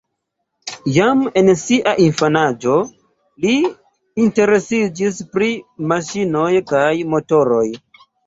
Jam en sia infanaĝo li interesiĝis pri maŝinoj kaj motoroj.